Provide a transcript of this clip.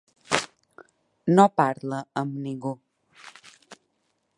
No parla amb ningú.